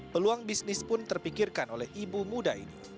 peluang bisnis pun terpikirkan oleh ibu muda ini